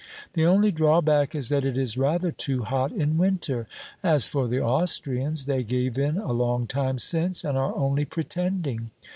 The only drawback is that it is rather too hot in winter. As for the Austrians, they gave in a long time since and are only pretending.'